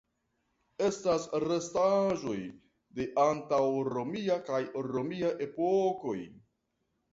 Estas restaĵoj de antaŭromia kaj romia epokoj.